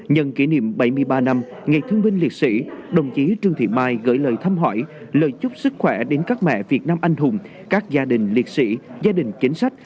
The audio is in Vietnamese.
nhân kỷ niệm bảy mươi ba năm ngày thương binh liệt sĩ đồng chí trương thị mai gửi lời thăm hỏi lời chúc sức khỏe đến các mẹ việt nam anh hùng các gia đình liệt sĩ gia đình chính sách